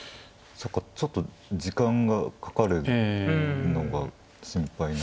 そうかちょっと時間がかかるのが心配。